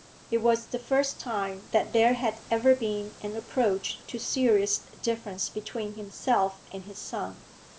It was the first time that there had ever been an approach to serious difference between himself and his son.